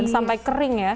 sampai kering ya